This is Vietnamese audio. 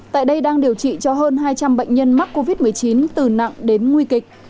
tại đây đang điều trị cho hơn hai trăm linh bệnh nhân mắc covid một mươi chín từ nặng đến nguy kịch